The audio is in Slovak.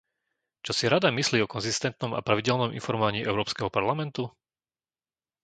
Čo si Rada myslí o konzistentnom a pravidelnom informovaní Európskeho parlamentu?